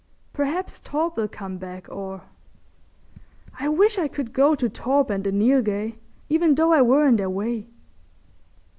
Perhaps Torp will come back or... I wish I could go to Torp and the Nilghai, even though I were in their way."